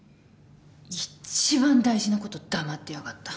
一番大事なこと黙ってやがった。